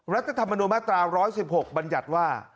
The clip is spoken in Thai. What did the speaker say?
รัฐธรรมนุนมาตรา๑๑๖บัญญัติว่า